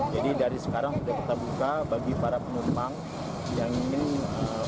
jadi dari sekarang sudah terbuka bagi para penumpang yang ingin menikah